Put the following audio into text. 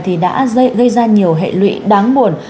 thì đã gây ra nhiều hệ lụy đáng buồn